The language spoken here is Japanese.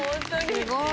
すごい。